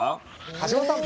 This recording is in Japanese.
橋本さん